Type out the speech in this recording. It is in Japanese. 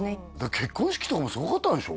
結婚式とかもすごかったんでしょ？